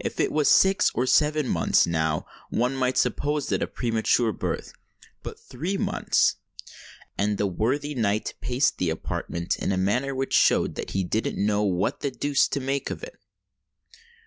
If it was six or seven months, now—one might suppose that a premature birth—but three months——" And the worthy knight paced the apartment in a manner which showed that "he didn't know wha the deuce to make of it."